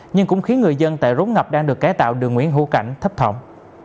nhưng cũng khiến người dân tại rốn ngập đang được kế tạo đường nguyễn hữu cảnh thấp thỏng